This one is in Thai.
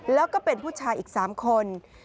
แล้วก็เป็นผู้ชายอีก๓คน